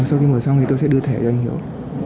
sau khi mở xong thì tôi sẽ đưa thẻ cho anh hiếu